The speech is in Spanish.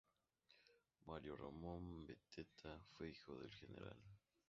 Mario Ramón Beteta fue hijo del Gral.